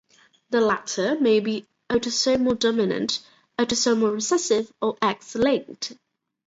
The latter may be autosomal dominant, autosomal recessive or X linked.